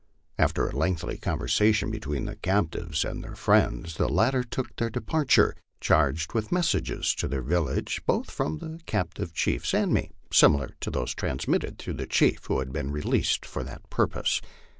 After a lengthy conversation between the captives and their friends, the latter took their departure, charged with messages to the village, both from the captive chiefs and me, similar to those transmitted through the chief who had been re leased for that purpose.